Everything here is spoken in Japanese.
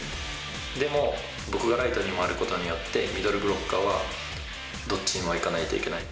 でも、僕がライトに回ることによって、ミドルブロッカーは、どっちにも行かないといけない。